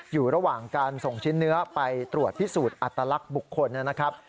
อยู่ระหว่างการส่งชิ้นเนื้อไปตรวจพิสูจน์อัตลักษณ์บุคคลนะครับ